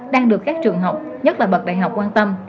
đang được các trường học nhất là bậc đại học quan tâm